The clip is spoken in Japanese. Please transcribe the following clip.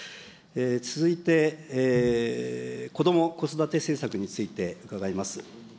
続いて、こども・子育て政策について伺います。